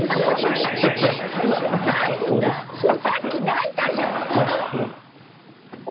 さっき泣いたじゃん。